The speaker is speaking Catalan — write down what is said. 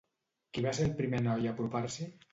Qui va ser el primer noi a apropar-s'hi?